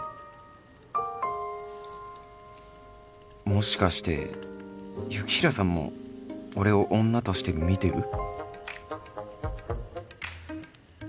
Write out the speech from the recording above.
もしかして雪平さんも俺を女として見てる？